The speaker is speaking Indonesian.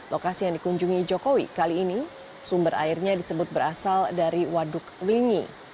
lokasi yang dikunjungi jokowi kali ini sumber airnya disebut berasal dari waduk wlingi